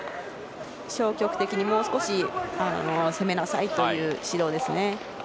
消極的にもう少し攻めなさいという指導ですね。